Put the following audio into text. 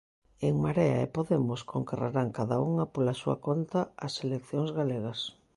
En Marea e Podemos concorrerán cada unha pola súa conta ás eleccións galegas.